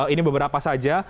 ini beberapa saja